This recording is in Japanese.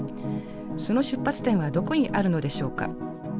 その出発点はどこにあるのでしょうか。